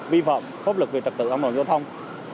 vi phạm pháp luật về trật tự an toàn giao thông